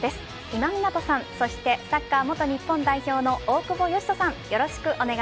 今湊さん、そしてサッカー元日本代表の大久保嘉人さん